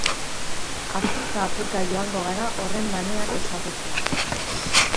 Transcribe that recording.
Apurka-apurka joango gara horren maniak ezagutzen.